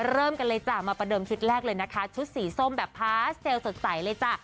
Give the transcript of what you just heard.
เริ่มกันเลยจ้ะมาประเดิมชุดแรกเลยนะคะชุดสีส้มแบบพาสเซลลสดใสเลยจ้ะ